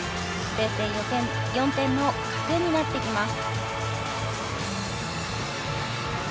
０．４点の加点になってきます。